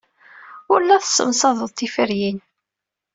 Ur la tessemsadeḍ tiferyin.